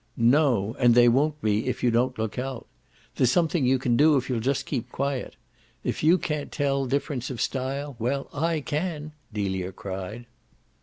"NO, and there won't be if you don't look out. There's something you can do if you'll just keep quiet. If you can't tell difference of style, well, I can!" Delia cried.